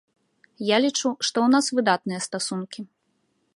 Я лічу, што ў нас выдатныя стасункі.